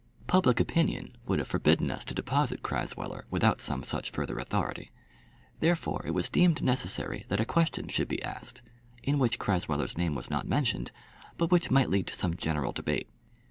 Public opinion would have forbidden us to deposit Crasweller without some such further authority. Therefore it was deemed necessary that a question should be asked, in which Crasweller's name was not mentioned, but which might lead to some general debate.